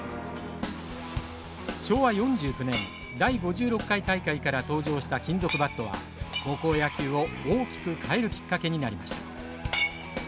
昭和４９年第５６回大会から登場した金属バットは高校野球を大きく変えるきっかけになりました。